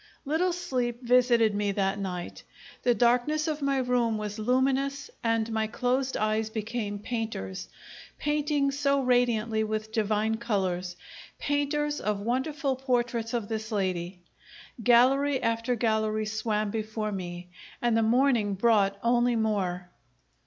Little sleep visited me that night. The darkness of my room was luminous and my closed eyes became painters, painting so radiantly with divine colours painters of wonderful portraits of this lady. Gallery after gallery swam before me, and the morning brought only more!